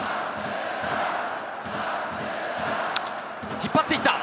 引っ張っていった！